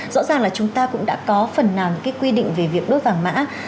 rõ ràng là chúng ta cũng đã có phần nào những cái quy định về việc đốt vàng mã